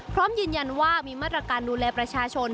พร้อมยืนยันว่ามีมาตรการดูแลประชาชน